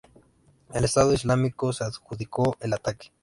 El Estado Islámico se adjudicó el ataque.